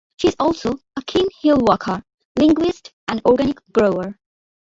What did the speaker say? She is also a keen hill-walker, linguist and organic grower.